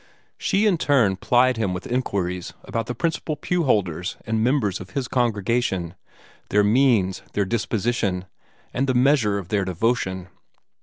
She in turn plied him with inquiries about the principal pew holders and members of his congregation their means, their disposition, and the measure of their devotion.